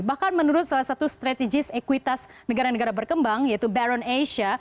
bahkan menurut salah satu strategis ekuitas negara negara berkembang yaitu baron asia